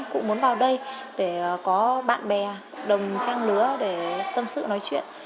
cụ muốn vào đây để có bạn bè đồng trang lứa để tâm sự nói chuyện